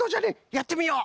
やってみよう！